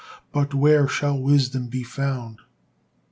'But where shall wisdom be found?'"